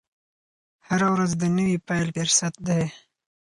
هره ورځ د نوي پیل فرصت دی.